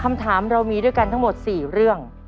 คำถามเรามีด้วยกันทั้งหมด๔เรื่อง